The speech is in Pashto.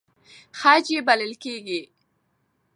خج یې بلل کېږي.